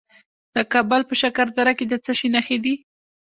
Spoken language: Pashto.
د کابل په شکردره کې د څه شي نښې دي؟